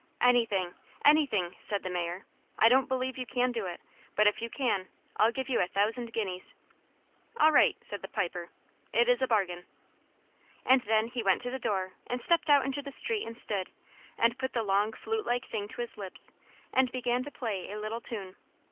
"Anything, anything," said the Mayor. "I don't believe you can do it, but if you can, I'll give you a thousand guineas." "All right," said the Piper, "it is a bargain." And then he went to the door and stepped out into the street and stood, and put the long flute like thing to his lips, and began to play a little tune.